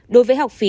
đối với học phí